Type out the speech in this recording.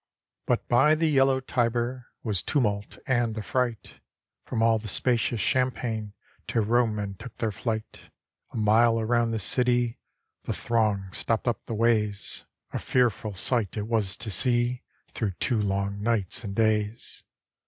But by the yellow Tiber Was tumult and affright: From all the spacious champaign To Rome men took their flight. A mile around the city, The throng stopped up the ways; 272 HORATIUS A fearful sight it was to see Through two long nights and days.